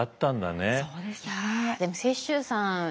でも雪洲さん